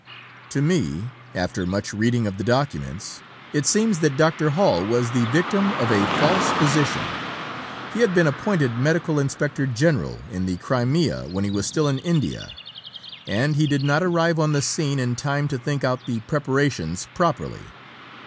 " To me, after much reading of the documents, it seems that Dr. Hall was the victim of a false position. He had been appointed Medical Inspector General in the Crimea when he was still in India, and he did not arrive on the scene in time to think out the preparations properly.